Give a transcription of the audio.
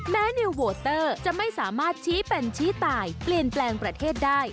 นิวโวเตอร์จะไม่สามารถชี้เป็นชี้ตายเปลี่ยนแปลงประเทศได้